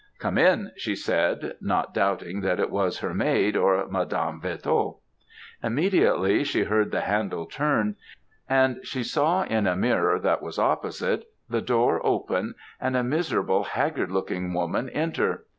'Come in,' she said; not doubting that it was her maid, or Madame Vertot. Immediately, she heard the handle turned, and she saw in a mirror that was opposite, the door open, and a miserable, haggard looking woman enter.